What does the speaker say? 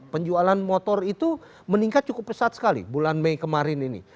penjualan motor itu meningkat cukup pesat sekali bulan mei kemarin ini